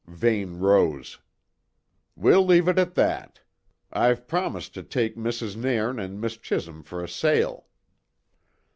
Vane rose. "We'll leave it at that. I've promised to take Mrs. Nairn and Miss Chisholm for a sail."